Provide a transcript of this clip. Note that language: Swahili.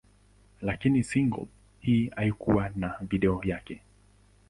Lakini single hii haikuwa na video yake.